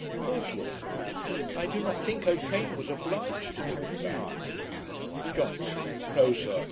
BOSWELL. 'I do not think O'Kane was obliged to give it back.' JOHNSON. 'No, sir.